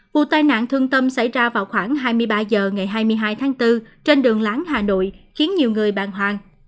vụ tai nạn thương tâm xảy ra vào khoảng hai mươi ba h ngày hai mươi hai tháng bốn trên đường láng hà nội khiến nhiều người bàng hoàng